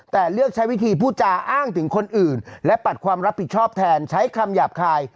แต่เลือกใช้วิธีพูดจาอ้างถึงคนอื่นและปัดความรับผิดชอบแทนใช้คำหยาบคาย